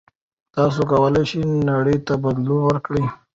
تاسو کولای شئ نړۍ ته بدلون ورکړئ.